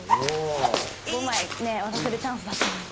５枚ね渡せるチャンスだったのに。